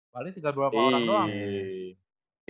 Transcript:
palingan tiga dua puluh orang doang